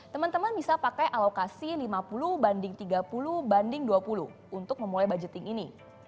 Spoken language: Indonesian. teman teman bisa pakai alokasi lima puluh banding tiga puluh banding dua puluh untuk memulai budgeting ini